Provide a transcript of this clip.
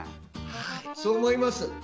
そう思います。